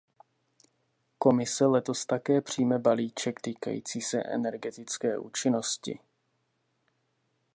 Komise letos také přijme balíček týkající se energetické účinnosti.